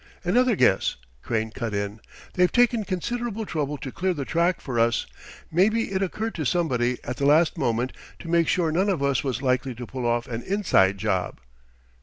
"Another guess," Crane cut in: "they've taken considerable trouble to clear the track for us. Maybe it occurred to somebody at the last moment to make sure none of us was likely to pull off an inside job."